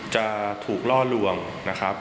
จะถูกล่อลวงนะครับ